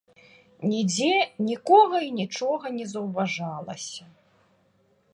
Нідзе нікога і нічога не заўважалася.